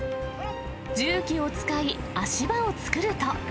重機を使い足場を作ると。